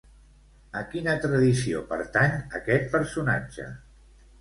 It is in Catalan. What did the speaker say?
A quina tradició pertany aquest personatge?